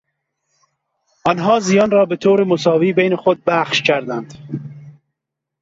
آنها زیان را به طور مساوی بین خود بخش کردند.